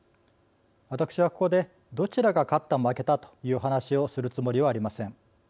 私は、ここで「どちらが勝った、負けた」という話をするつもりはありません。